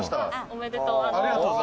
おめでとう。